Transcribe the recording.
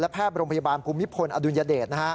และแพทย์บรมพยาบาลภูมิพลอดุญเดต